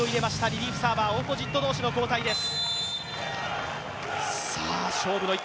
リリーフサーバー、オポジット同士の交代です。